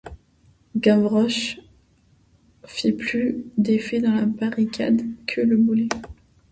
Gavroche fit plus d’effet dans la barricade que le boulet.